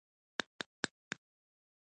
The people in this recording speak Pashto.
پاتې ټوپکوالو لویې خولۍ په سر کړې وې.